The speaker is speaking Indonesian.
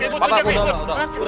pak udah udah udah